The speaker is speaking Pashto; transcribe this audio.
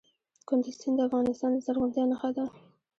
کندز سیند د افغانستان د زرغونتیا نښه ده.